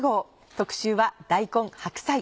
特集は「大根・白菜」。